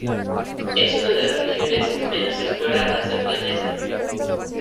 Es una de las regiones menos exploradas del planeta.